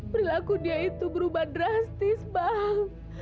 perilaku dia itu berubah drastis bang